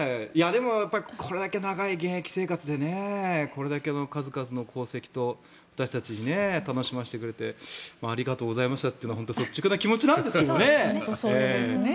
でも、これだけ長い現役生活でこれだけの数々の功績と私たちを楽しませてくれてありがとうございましたというのは本当に率直な気持ちなんですけどね。